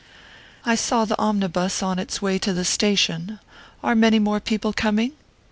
"I saw the omnibus on its way to the station. Are many more people coming?"